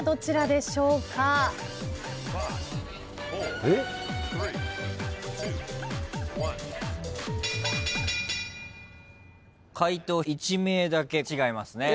［では］えっ！？解答１名だけ違いますね。